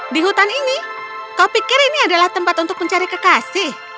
di hutan ini kau pikir ini adalah tempat untuk mencari kekasih